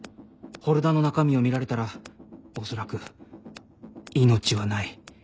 フォルダの中身を見られたら恐らく命はない